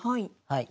はい。